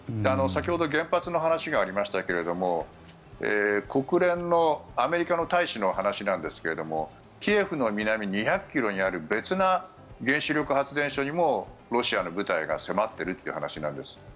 先ほど原発の話がありましたけど国連のアメリカの大使の話なんですがキエフの南２００ｋｍにある別の原子力発電所にもロシアの部隊が迫っているという話なんです。